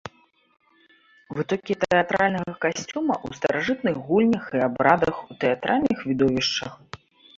Вытокі тэатральнага касцюма ў старажытных гульнях і абрадах, у тэатральных відовішчах.